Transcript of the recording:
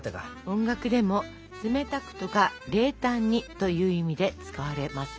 音楽でも「冷たく」とか「冷淡に」という意味で使われますよ。